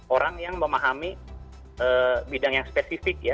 orang yang memahami bidang yang spesifik ya